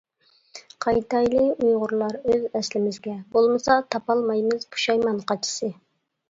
قايتايلى ئۇيغۇرلار ئۆز ئەسلىمىزگە، بولمىسا تاپالمايمىز پۇشايمان قاچىسى.